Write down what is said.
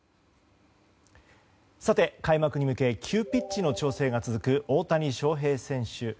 さて、開幕に向け急ピッチの調整が続く大谷翔平選手。